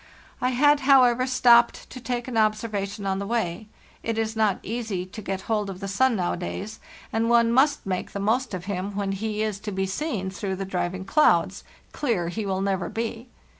I had, however, stopped to take an observation on the way. It is not easy to get hold of the sun nowadays, and one must make the most of him 2/? LARTHE ST NORTH when he is to be seen through the driving clouds; clear he will never be.